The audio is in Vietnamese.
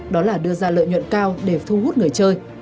đó là đưa ra lợi nhuận cao để thu hút người chơi